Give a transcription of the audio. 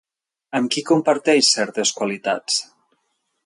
Amb qui comparteix certes qualitats?